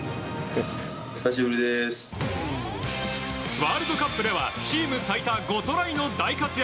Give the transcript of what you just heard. ワールドカップではチーム最多５トライの大活躍